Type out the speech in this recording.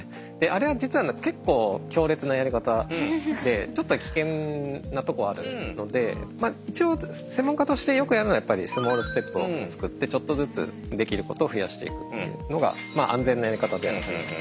あれは実は結構強烈なやり方でちょっと危険なとこあるのでまあ一応専門家としてよくやるのはやっぱりスモールステップを作ってちょっとずつできることを増やしていくっていうのが安全なやり方ではあります。